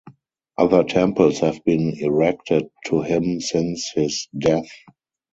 Other temples have been erected to him since his death.